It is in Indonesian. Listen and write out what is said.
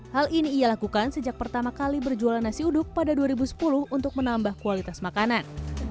hal ini ia lakukan sejak pertama kali berjualan nasi uduk pada dua ribu sepuluh untuk menambah kualitas makanan